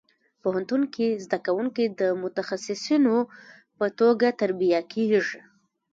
پوهنتون کې زده کوونکي د متخصصینو په توګه تربیه کېږي.